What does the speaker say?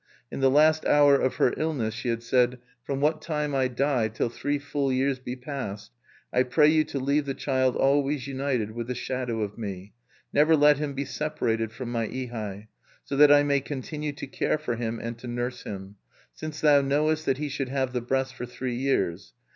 In the last hour of her illness she had said: "From what time I die till three full years be past I pray you to leave the child always united with the Shadow of me: never let him be separated from my ihai, so that I may continue to care for him and to nurse him since thou knowest that he should have the breast for three years.